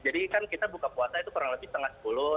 jadi kan kita buka puasa itu kurang lebih setengah sepuluh